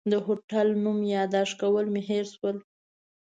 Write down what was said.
د هوټل نوم یاداښت کول مې هېر شول.